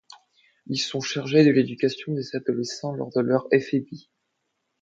Ils sont chargés de l'éducation des adolescents lors de leur éphébie.